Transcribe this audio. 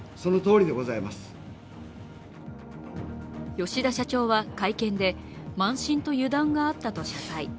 吉田社長は会見で慢心と油断があったと謝罪。